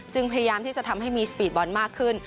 พยายามที่จะทำให้มีสปีดบอลมากขึ้น